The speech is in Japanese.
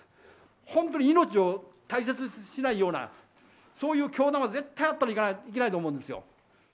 本当に命を大切にしないような、そういう教団は絶対あってはいけないと思うんですよ。